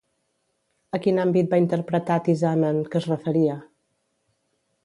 A quin àmbit va interpretar Tisamen que es referia?